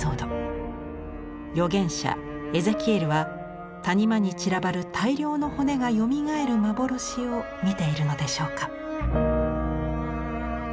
預言者エゼキエルは谷間に散らばる大量の骨がよみがえる幻を見ているのでしょうか。